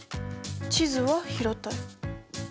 地図は平たい。